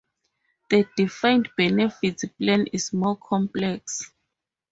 The defined-benefits plan is more complex.